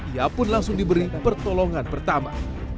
ia pun langsung diberi pertolongan pertama